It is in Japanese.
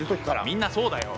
みんなそうだよ。